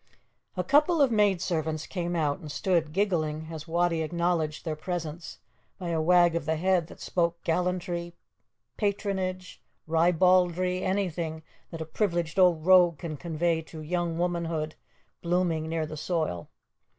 A couple of maidservants came out and stood giggling as Wattie acknowledged their presence by a wag of the head that spoke gallantry, patronage, ribaldry anything that a privileged old rogue can convey to young womanhood blooming near the soil.